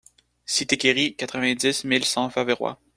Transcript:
Cité Querry, quatre-vingt-dix mille cent Faverois